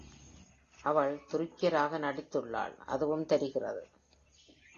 அவள் துருக்கியராக நடித்துள்ளாள் - அதுவும் தெரிகிறது.